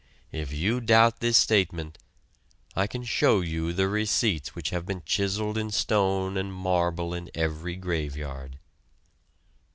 If you doubt this statement, I can show you the receipts which have been chiseled in stone and marble in every graveyard.